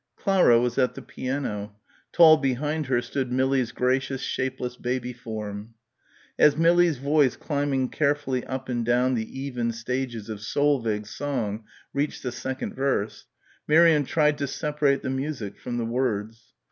Clara was at the piano. Tall behind her stood Millie's gracious shapeless baby form. As Millie's voice climbing carefully up and down the even stages of Solveig's song reached the second verse, Miriam tried to separate the music from the words.